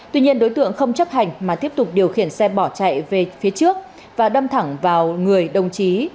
tuy nhiên đối tượng không chấp hành mà tiếp tục điều khiển xe bỏ chạy về phía trước và đâm thẳng vào người đồng chí